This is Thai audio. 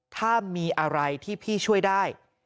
ถ้ามีอะไรที่พี่ช่วยได้